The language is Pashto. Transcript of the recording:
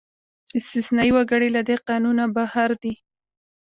استثنايي وګړي له دې قانونه بهر دي.